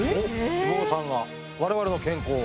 脂肪さんが我々の健康を？